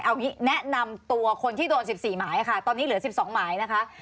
เอางี้แนะนำตัวคนที่โดน๑๔หมายค่ะตอนนี้เหลือ๑๒หมายนะคะ